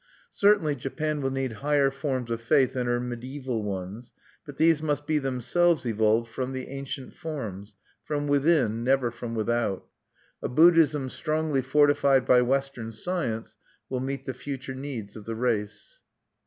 Certainly Japan will need higher forms of faith than her mediaeval ones; but these must be themselves evolved from the ancient forms, from within, never from without. A Buddhism strongly fortified by Western science will meet the future needs of the race.